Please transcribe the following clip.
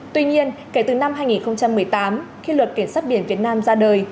tuy nhiên kể từ năm hai nghìn một mươi tám khi luật cảnh sát biển việt nam ra đời